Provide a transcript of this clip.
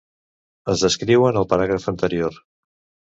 Es descriuen al paràgraf anterior.